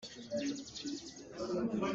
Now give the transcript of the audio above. Inn kaa kha rak hrenh te.